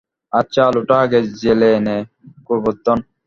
আচ্ছা, আলোটা আগে জেলে নে গোবর্ধন।